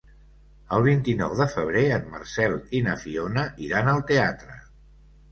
El vint-i-nou de febrer en Marcel i na Fiona iran al teatre.